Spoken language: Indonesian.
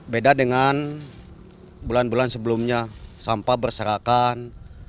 beda dengan bulan bulan sebelumnya sampah berserakan